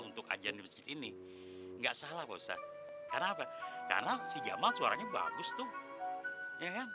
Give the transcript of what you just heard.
untuk ajaran di masjid ini enggak salah bosan karena apa karena si jamal suaranya bagus tuh